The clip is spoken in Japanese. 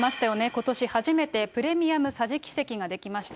ことし初めてプレミアム桟敷席が出来ました。